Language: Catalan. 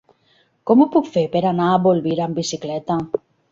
Com ho puc fer per anar a Bolvir amb bicicleta?